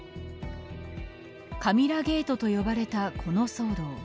カミラゲートと呼ばれたこの騒動。